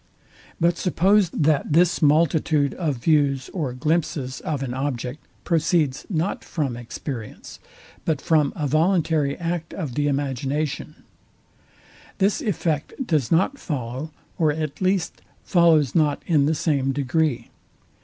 But suppose that this multitude of views or glimpses of an object proceeds not from experience, but from a voluntary act of the imagination; this effect does not follow, or at least, follows not in the same degree.